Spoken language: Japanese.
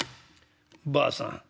「ばあさん。